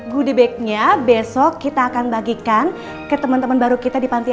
goodie bag nya besok kita akan bagikan ke temen temen baru kita di pantiasa